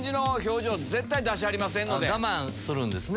我慢するんですね。